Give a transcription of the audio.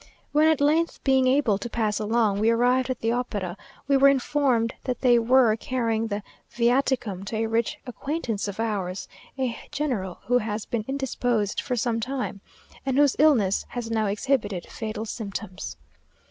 When, at length, being able to pass along, we arrived at the opera, we were informed that they were carrying the viaticum to a rich acquaintance of ours, a general, who has been indisposed for some time, and whose illness has now exhibited fatal symptoms.